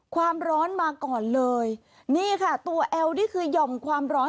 ความร้อนมาก่อนเลยนี่ค่ะตัวแอลนี่คือหย่อมความร้อน